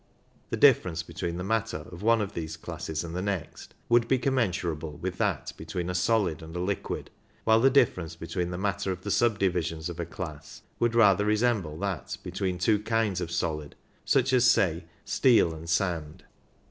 The difference between the matter of one of these classes and the next would be com mensurable with that between a solid and a liquid, while the difference between the matter of the subdivisions of a class would rather resemble that between two kinds of solid, such as, say, steel and sand.